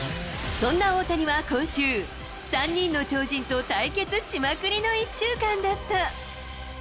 そんな大谷は今週、３人の超人と対決しまくりの１週間だった。